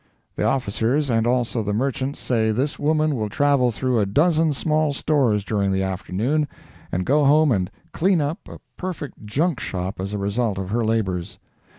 The officers, and also the merchants, say this woman will travel through a dozen small stores during the afternoon, and go home and "clean up" a perfect junk shop as a result of her labors.